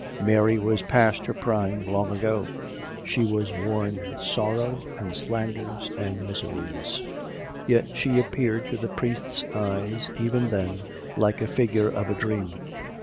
Mary was past her prime long ago; she was worn with sorrow and slanders and miseries; yet she appeared to the priest's eyes, even then, like a figure of a dream.